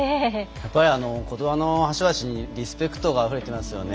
やっぱりことばの端々にリスペクトがあふれてますよね。